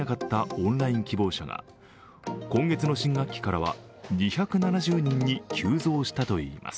オンライン希望者が今月の新学期からは、２７０人に急増したといいます。